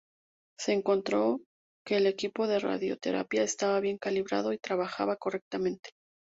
Se encontró que el equipo de radioterapia estaba bien calibrado y trabajaba correctamente.